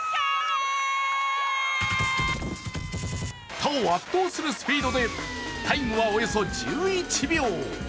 他を圧倒するスピードでタイムはおよそ１１秒。